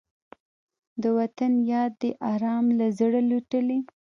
د وطن یاد دې ارام له زړه لوټلی